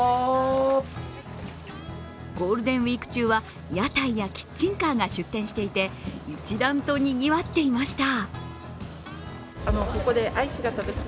ゴールデンウイーク中は屋台やキッチンカーが出店していて一段とにぎわっていました。